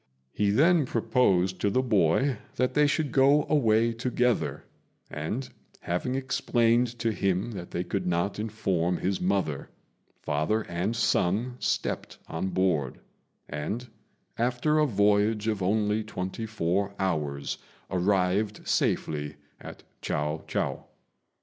He then proposed to the boy that they should go away together; and, having explained to him that they could not inform his mother, father and son stepped on board, and, after a voyage of only twenty four hours, arrived safely at Chiao chou.